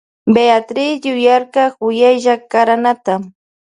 Beatriz yuyarka kuyaylla karanata.